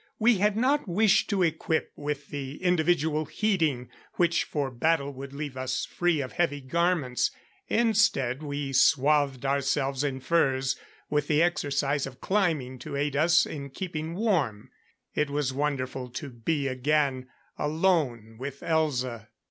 We had not wished to equip with the individual heating, which for battle would leave us free of heavy garments; instead we swathed ourselves in furs, with the exercise of climbing to aid us in keeping warm. It was wonderful to be again alone with Elza.